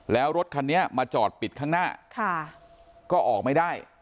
แล้วรถคันนี้มาจอดปิดข้างหน้าก็ออกไม่ได้